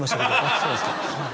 そうですか。